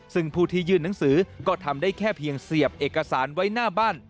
ซึ่งผู้ที่ยื่นหนังสือก็ทำได้แค่เพียงเสียบเอกสารไว้หน้าบ้าน